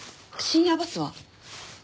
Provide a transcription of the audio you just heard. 深夜バス？